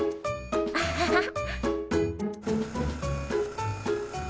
アッハハ。